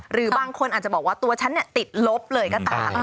หรือบางคนอาจจะบอกว่าสมดุลตไว้ก็ต่ำ